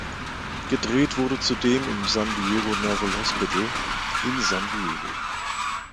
Gedreht wurde zudem im San Diego Naval Hospital in San Diego.